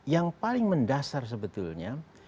yang paling mendasar sebetulnya